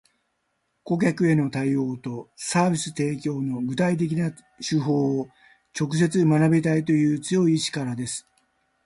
顧客への対応とサービス提供の具体的な手法を直接学びたいという強い意志からです